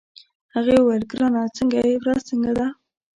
هغې وویل: ګرانه څنګه يې، ورځ څنګه ده؟